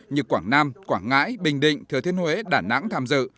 như quảng nam quảng ngãi bình định thừa thiên huế đà nẵng tham dự